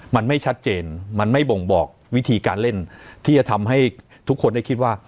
มันไม่ชัดเจนมันไม่บ่งบอกวิธีการเล่นที่จะทำให้ทุกคนได้คิดว่า